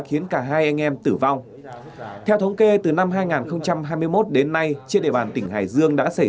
khiến cả hai anh em tử vong theo thống kê từ năm hai nghìn hai mươi một đến nay trên địa bàn tỉnh hải dương đã xảy ra